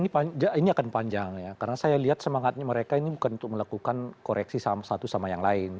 ini akan panjang ya karena saya lihat semangatnya mereka ini bukan untuk melakukan koreksi satu sama yang lain